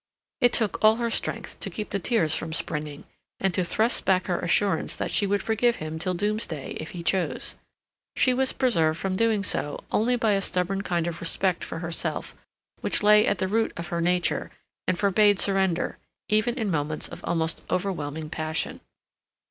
It took all her strength to keep the tears from springing, and to thrust back her assurance that she would forgive him till Doomsday if he chose. She was preserved from doing so only by a stubborn kind of respect for herself which lay at the root of her nature and forbade surrender, even in moments of almost overwhelming passion.